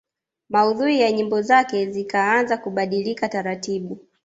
Maudhui ya nyimbo zake zikaanza kubadilika taratibu